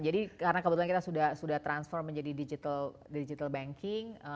jadi karena kebetulan kita sudah transform menjadi digital banking